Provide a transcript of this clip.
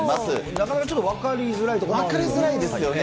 なかなかちょっと分かりづらいところもあるんですよね。